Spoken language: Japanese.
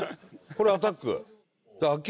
これアタック？